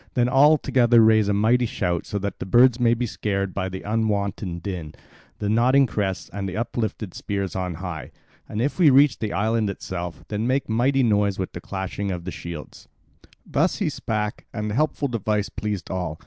Then all together raise a mighty shout so that the birds may be scared by the unwonted din, the nodding crests, and the uplifted spears on high. And if we reach the island itself, then make mighty noise with the clashing of shields." Thus he spake, and the helpful device pleased all.